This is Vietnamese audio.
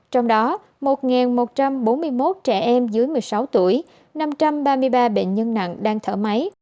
trong đó một một trăm bốn mươi một trẻ em dưới một mươi sáu tuổi năm trăm ba mươi ba bệnh nhân nặng đang thở máy